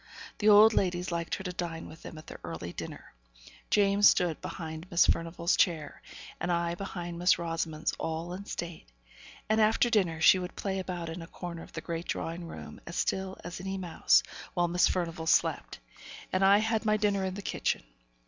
The old ladies liked her to dine with them at their early dinner. James stood behind Miss Furnivall's chair, and I behind Miss Rosamond's all in state; and after dinner, she would play about in a corner of the great drawing room as still as any mouse, while Miss Furnivall slept, and I had my dinner in the kitchen.